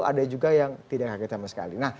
ada juga yang tidak kaget sama sekali